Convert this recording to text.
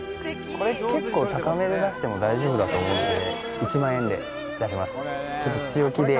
結構、高めで出しても大丈夫だと思うんで、１万円で出します。